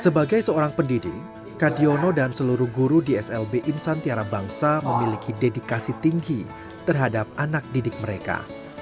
sebagai seorang pendidik kadiono dan seluruh guru di slb insantiara bangsa memiliki dedikasi tinggi terhadap anak didik mereka